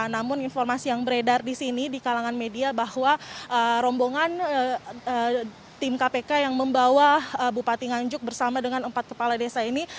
namun informasi yang beredar di sini di kalangan media bahwa rombongan tim kpk yang membawa bupati nganjuk bersama dengan empat kepala desa ini